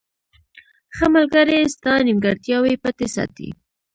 • ښه ملګری ستا نیمګړتیاوې پټې ساتي.